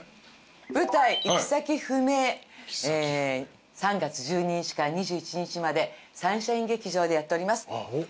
舞台『行先不明』３月１２日から２１日までサンシャイン劇場でやっております。